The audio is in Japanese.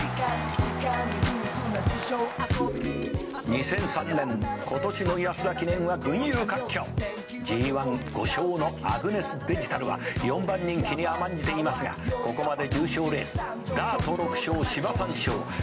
「２００３年今年の安田記念は群雄割拠」「ＧⅠ５勝のアグネスデジタルは４番人気に甘んじていますがここまで重賞レースダート６勝芝３勝馬場の二刀流だ」